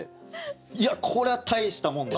いやこれは大したもんです！